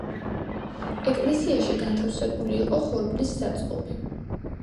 ეკლესიაში განთავსებული იყო ხორბლის საწყობი.